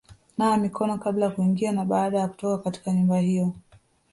Nawa mikono kabla ya kuingia na baada ya kutoka katika nyumba hiyo;